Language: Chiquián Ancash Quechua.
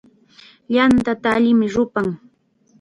Yantata allim rupan.